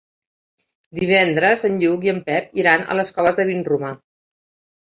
Divendres en Lluc i en Pep iran a les Coves de Vinromà.